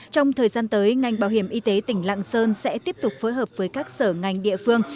trong thời gian tới ngành bảo hiểm y tế tỉnh lạng sơn sẽ tiếp tục phối hợp với các sở ngành địa phương